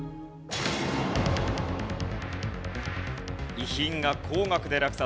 遺品が高額で落札。